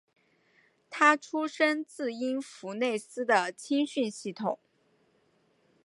他出身自因弗内斯的青训系统。